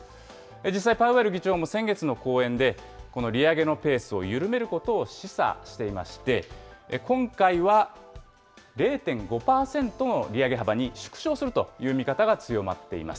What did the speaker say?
実際、パウエル議長も先月の講演で、この利上げのペースを緩めることを示唆していまして、０．５％の利上げ幅に縮小するという見方が強まっています。